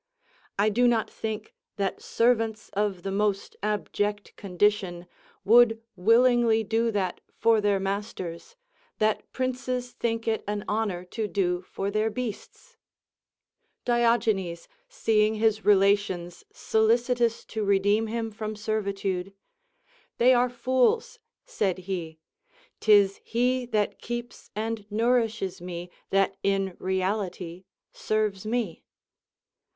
I do not think that servants of the most abject condition would willingly do that for their masters that princes think it an honour to do for their beasts. Diogenes seeing his relations solicitous to redeem, him from servitude: "They are fools," said he; "'tis he that keeps and nourishes me that in reality serves me."